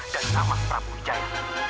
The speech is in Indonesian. dan nama prabu jaya